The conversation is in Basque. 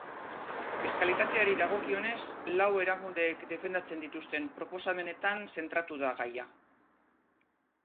Fiskalitateari dagokionez, lau erakundeek defendatzen dituzten proposamenetan zentratu da gaia.